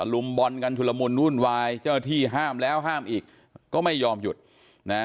ลุมบอลกันชุลมุนวุ่นวายเจ้าหน้าที่ห้ามแล้วห้ามอีกก็ไม่ยอมหยุดนะ